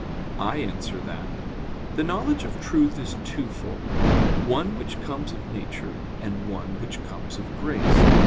I answer that, The knowledge of truth is twofold: one which comes of nature, and one which comes of grace.